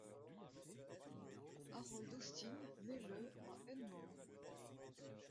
Harold Austin naît le à Enmore.